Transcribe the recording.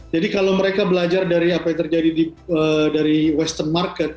jadi kalau mereka belajar dari apa yang terjadi di western market